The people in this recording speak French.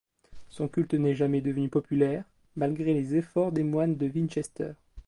Son culte n'est jamais devenu populaire, malgré les efforts des moines de Winchester.